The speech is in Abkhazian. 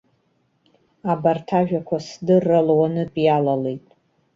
Абарҭ ажәақәа сдырра луанытә иалалеит.